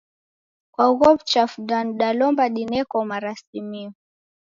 Kwa ugho w'uchafu danu dalomba dineko marasimio?